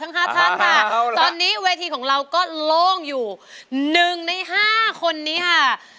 จะเป็นใครที่จะได้ขึ้นมาร้องได้ให้ร้านกับเรา